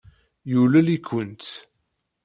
Yulel-ikent.